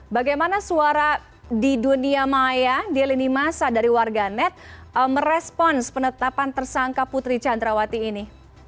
bagaimana suara di dunia maya di lini masa dari warga net merespons penetapan tersangka putri candrawati ini